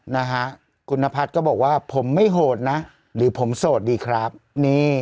นะฮะคุณนพัฒน์ก็บอกว่าผมไม่โหดนะหรือผมโสดดีครับนี่